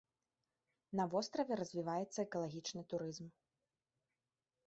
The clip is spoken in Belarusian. На востраве развіваецца экалагічны турызм.